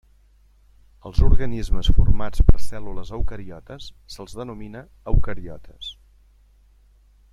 Als organismes formats per cèl·lules eucariotes se'ls denomina eucariotes.